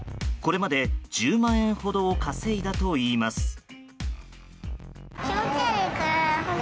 これまで１０万円ほどを稼いだといいます。